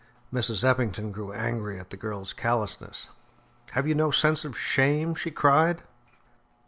Mrs. Eppington, grew angry at the girl's callousness. "Have you no sense of shame?" she cried.